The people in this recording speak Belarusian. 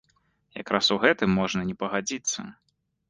Якраз у гэтым можна не пагадзіцца.